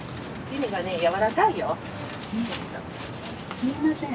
すいません。